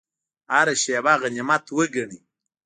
هره شیبه غنیمت وګڼئ